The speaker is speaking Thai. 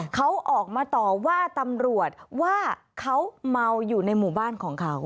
เขาออกมาต่อว่าตำรวจว่าเขาเมาอยู่ในหมู่บ้านของเขา